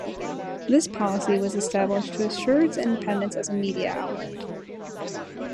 This policy was established to assure its independence as a media outlet.